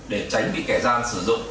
để tránh bị kẻ gian sử dụng